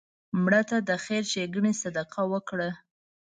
مړه ته د خیر ښیګڼې صدقه وکړه